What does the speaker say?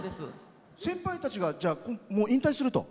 先輩たちが、もう引退すると？